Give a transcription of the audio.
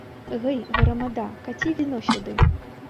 Гэй, грамада, каці віно сюды.